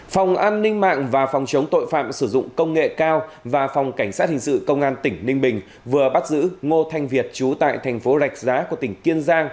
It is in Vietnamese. phòng an ninh mạng và phòng chống tội phạm sử dụng công nghệ cao và phòng cảnh sát hình sự công an tỉnh ninh bình vừa bắt giữ ngô thanh việt trú tại thành phố rạch giá của tỉnh kiên giang